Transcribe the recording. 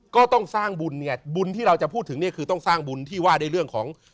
ก็ต้องสร้างบุญไงบุญที่เราจะพูดถึงเนี่ยคือต้องสร้างบุญที่ว่าด้วยเรื่องของ